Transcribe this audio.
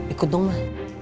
ikut dong mah